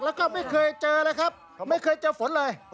แล้วก็ไม่เคยเจอเลยครับไม่เคยเจอฝนเลย